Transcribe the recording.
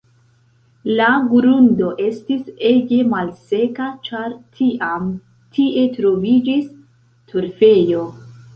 La grundo estis ege malseka, ĉar iam tie troviĝis torfejo.